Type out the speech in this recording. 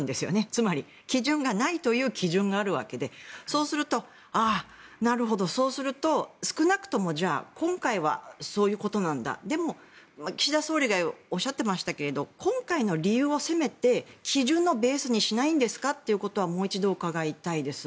つまり、基準がないという基準があるわけでそうすると、ああ、なるほど少なくとも今回はそういうことなんだでも、岸田総理がおっしゃっていましたけど今回の理由をせめて基準のベースにしないんですかということはもう一度伺いたいです。